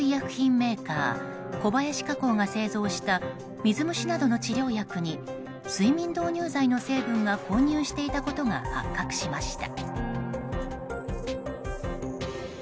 メーカー小林化工が製造した水虫などの治療薬に睡眠導入剤の成分が混入していたことが発覚しました。